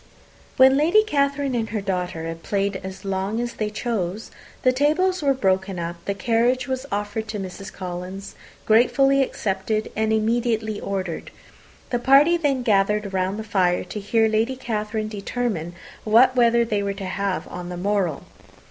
When Lady Catherine and her daughter had played as long as they chose, the tables were broken up, the carriage was offered to Mrs. Collins, gratefully accepted, and immediately ordered. The party then gathered round the fire to hear Lady Catherine determine what weather they were to have on the morrow.